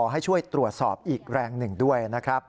ให้ช่วยตรวจสอบอีกแรงหนึ่งด้วยนะครับ